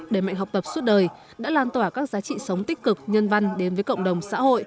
để mạnh học tập suốt đời đã lan tỏa các giá trị sống tích cực nhân văn đến với cộng đồng xã hội